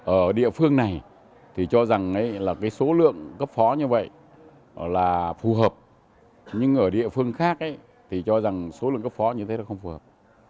ở địa phương này thì cho rằng là cái số lượng cấp phó như vậy là phù hợp nhưng ở địa phương khác thì cho rằng số lượng cấp phó như thế là không phù hợp